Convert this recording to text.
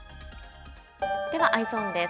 では、Ｅｙｅｓｏｎです。